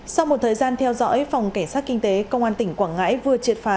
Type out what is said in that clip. sau một thời gian theo dõi phòng cảnh sát kinh tế công an tỉnh quảng ngãi vừa triệt phá